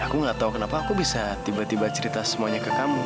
aku nggak tahu kenapa aku bisa tiba tiba cerita semuanya ke kamu